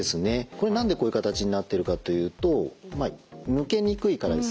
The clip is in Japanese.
これ何でこういう形になってるかというと抜けにくいからですね。